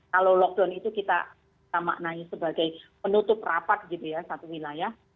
kalau lockdown itu kita maknanya sebagai penutup rapat gitu ya satu wilayah